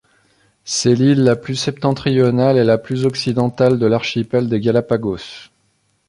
C'est l'île la plus septentrionale et la plus occidentale de l'archipel des Galápagos.